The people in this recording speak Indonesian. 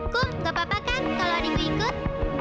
kum nggak apa apa kan kalau adikku ikut